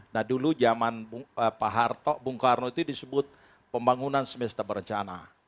nah dulu zaman pak harto bung karno itu disebut pembangunan semesta berencana